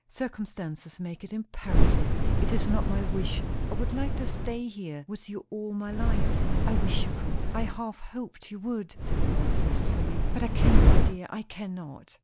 Circumstances make it imperative. It is not my wish. I would like to stay here with you all my life." "I wish you could. I half hoped you would," said Lois wistfully. "But I cannot, my dear. I cannot."